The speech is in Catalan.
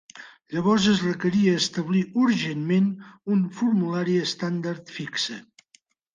Llavors es requeria establir urgentment un formular estàndard fixe.